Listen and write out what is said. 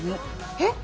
えっ？